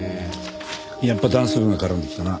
やっぱダンス部が絡んできたな。